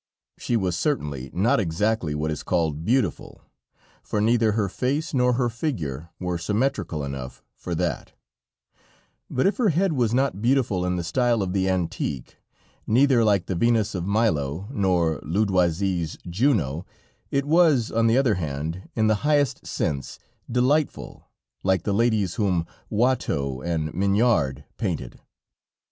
She was certainly not exactly what is called beautiful, for neither her face nor her figure were symmetrical enough for that, but if her head was not beautiful in the style of the antique, neither like the Venus of Milo nor Ludoirsi's Juno, it was, on the other hand, in the highest sense delightful like the ladies whom Wateau and Mignard painted.